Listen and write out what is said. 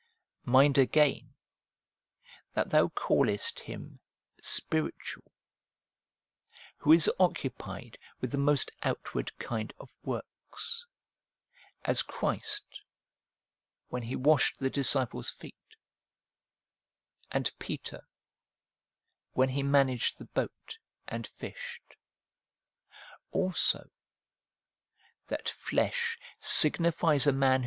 Mind again that thou callest him ' spiritual,' who is occupied with the most outward kind of works, as Christ, when He washed the disciples' feet, and Peter, when he managed the boat and fished. Also, that flesh signifies a man.